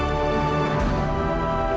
aku harus ke belakang